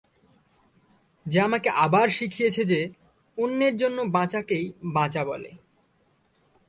যে আমাকে আজ আবার শিখিয়েছে যে অন্যের জন্য বাঁচাকেই বাঁচা বলে।